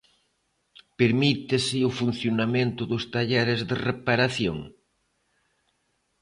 Permítese o funcionamento dos talleres de reparación?